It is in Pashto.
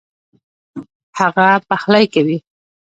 هغه پخلی کوي